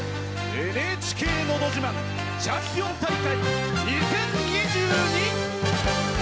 「ＮＨＫのど自慢チャンピオン大会２０２２」！